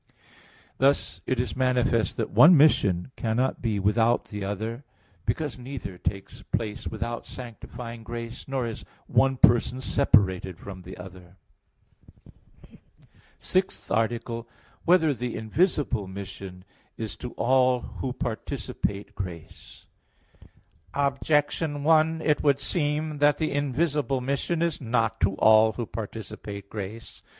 Thus it is manifest that one mission cannot be without the other, because neither takes place without sanctifying grace, nor is one person separated from the other. _______________________ SIXTH ARTICLE [I, Q. 43, Art. 6] Whether the Invisible Mission Is to All Who Participate Grace? Objection 1: It would seem that the invisible mission is not to all who participate grace.